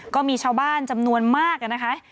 ก็มีชาวบ้านจำนวนมากนะคะ